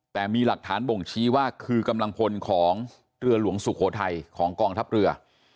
แต่มีหลักฐานบ่งชี้ว่าคือกำลังพลของเรือหลวงสุโขทัยของกองทัพเรือ